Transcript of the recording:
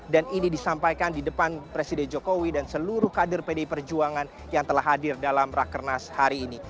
dan ini disampaikan di depan presiden jokowi dan seluruh kader pdi perjuangan yang telah hadir dalam rakernas hari ini